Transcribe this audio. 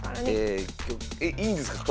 えっいいんですか？